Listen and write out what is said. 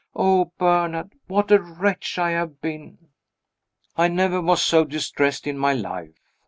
"Oh, Bernard, what a wretch I have been!" I never was so distressed in my life.